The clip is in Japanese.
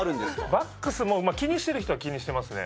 バックスも気にしてる人はしてますね。